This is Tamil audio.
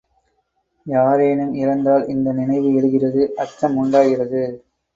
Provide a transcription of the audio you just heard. யாரேனும் இறந்தால் இந்த நினைவு எழுகிறது அச்சம் உண்டாகிறது.